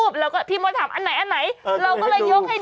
ปกติเขาลอกไว้